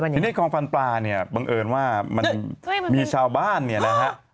ทีนี้กองฟันปลาเนี่ยบังเอิญว่ามันมีชาวบ้านเนี่ยนะฮะ